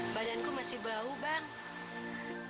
badanku masih bau bang